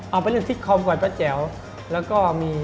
เอาไปเล่นซิตคอมก่อนป้าแจ๋วแล้วก็มี